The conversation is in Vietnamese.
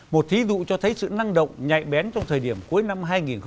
một thí dụ cho thấy sự năng động nhạy bén trong thời điểm cuối năm hai nghìn một mươi tám